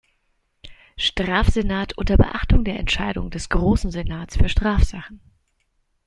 Strafsenat unter Beachtung der Entscheidung des Großen Senats für Strafsachen.